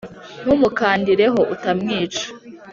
ntumukandire ho utamwica